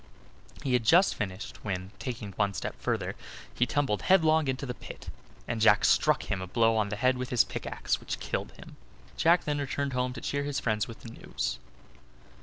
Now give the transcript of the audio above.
He had just finished, when, taking one step further, he tumbled headlong into the pit, and Jack struck him a blow on the head with his pickaxe which killed him. Jack then returned home to cheer his friends with the news.